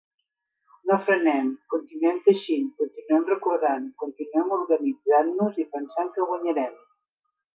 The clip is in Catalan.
No frenem, continuem teixint, continuem recordant, continuem organitzant-nos i pensant que guanyarem!